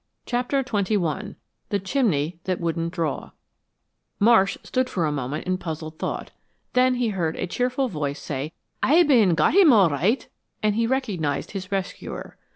CHAPTER XXI THE CHIMNEY THAT WOULDN'T DRAW Marsh stood for a moment in puzzled thought. Then he heard a cheerful voice say, "Aye bane got him all right," and he recognized his rescuer.